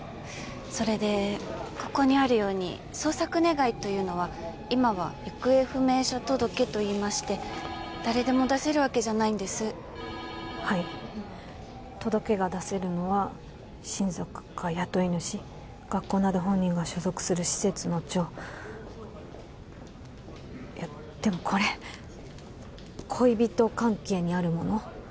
それでここにあるように捜索願というのは今は行方不明者届といいまして誰でも出せるわけじゃないんですはい届けが出せるのは親族か雇い主学校など本人が所属する施設の長いやでもこれ恋人関係にある者